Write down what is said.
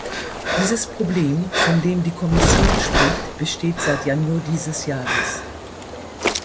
Dieses Problem, von dem die Kommission spricht, besteht seit Januar dieses Jahres.